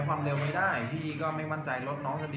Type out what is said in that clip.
แต่ว่าเมืองนี้ก็ไม่เหมือนกับเมืองอื่น